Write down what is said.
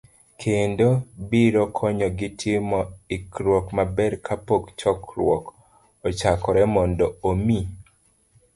kendo, biro konyogi timo ikruok maber kapok chokruok ochakore, mondo omi